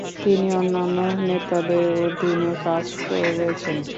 তিনি অন্যান্য নেতাদের অধীনে কাজ করেছেন।